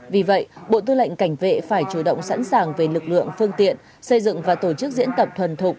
vì vậy bộ tư lệnh cảnh vệ phải chủ động sẵn sàng về lực lượng phương tiện xây dựng và tổ chức diễn tập thuần thục